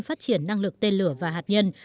phát triển năng lực tên lửa và hạt nhân